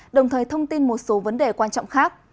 đồng thời thông tin một số vấn đề quan trọng khác